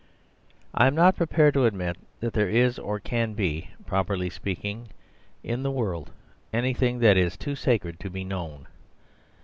I am not prepared to admit that there is or can be, properly speaking, in the world anything that is too sacred to be known.